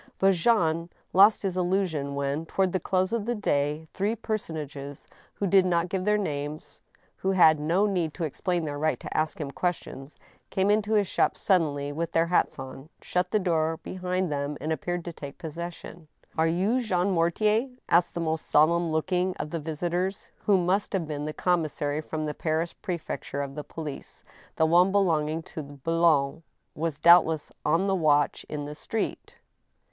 But Jean lost this illusion when, toward the close of the day, three personages who did not give their names, who had no need to explain their right to ask him questions, came into his shop sud denly witli their hats on, shut the door behind them, and appeared to take possession. •' Are you Jean Mortier ?" asked the most solemn looking of the visitors, who must have been the commissary from the Paris pre fecture of police (the one belonging to Boulogne was doubtless on the watch in the street).